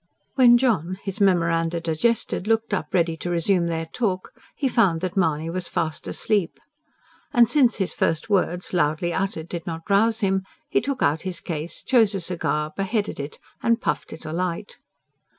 When John, his memoranda digested, looked up ready to resume their talk, he found that Mahony was fast asleep; and, since his first words, loudly uttered, did not rouse him, he took out his case, chose a cigar, beheaded it and puffed it alight.